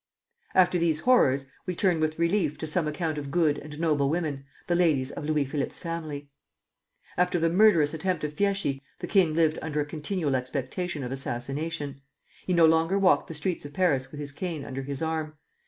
After these horrors we turn with relief to some account of good and noble women, the ladies of Louis Philippe's family. After the murderous attempt of Fieschi the king lived under a continual expectation of assassination. He no longer walked the streets of Paris with his cane under his arm.